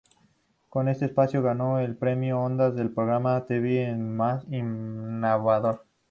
Con este espacio ganó el Premio Ondas al programa de tv más innovador.